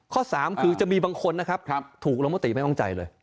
ข้อ๓คือจะมีบางคนนะครับถูกลงมติไม่ว่างใจเลย